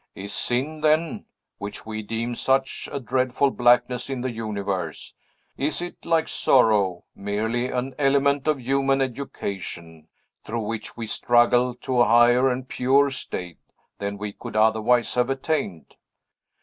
Is sin, then, which we deem such a dreadful blackness in the universe, is it, like sorrow, merely an element of human education, through which we struggle to a higher and purer state than we could otherwise have attained?